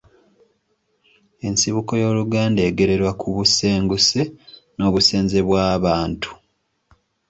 Ensibuko y’Oluganda egererwa ku busenguse n’obusenze bwa Babantu